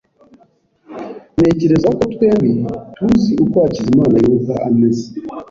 Ntekereza ko twembi tuzi uko Hakizimana yumva ameze.